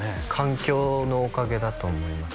環境のおかげだと思います